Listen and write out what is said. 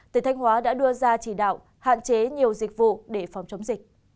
tỉnh thanh hóa đã đưa ra chỉ đạo hạn chế nhiều dịch vụ để phòng chống dịch